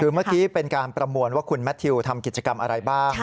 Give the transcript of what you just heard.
คือเมื่อกี้เป็นการประมวลว่าคุณแมททิวทำกิจกรรมอะไรบ้าง